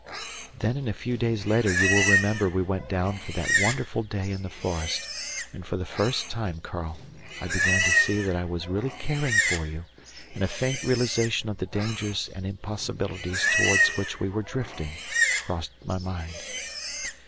Then a few days later you will remember we went down for that wonderful day in the forest, and for the first time, Karl, I began to see that I was really caring for you, and a faint realization of the dangers and impossibilities towards which we were drifting crossed my mind.